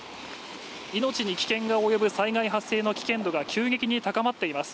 命に危険が及ぶ災害発生の危険度が急激に高まっています。